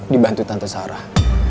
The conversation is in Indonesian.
dibantu tante sarah